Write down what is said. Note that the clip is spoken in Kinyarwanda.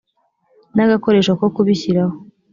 n agakoresho ko kubishyiraho